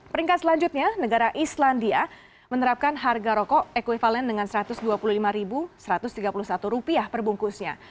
peringkat selanjutnya negara islandia menerapkan harga rokok ekvivalen dengan rp satu ratus dua puluh lima satu ratus tiga puluh satu perbungkusnya